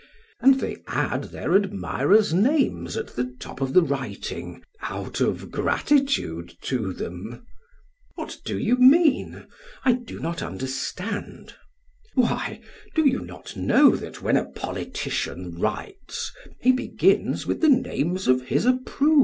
And they add their admirers' names at the top of the writing, out of gratitude to them. PHAEDRUS: What do you mean? I do not understand. SOCRATES: Why, do you not know that when a politician writes, he begins with the names of his approvers?